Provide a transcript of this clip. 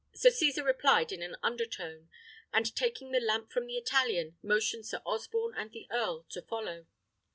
Sir Cesar replied in an under tone, and taking the lamp from the Italian, motioned Sir Osborne and the earl to follow.